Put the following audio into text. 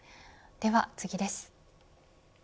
では次です。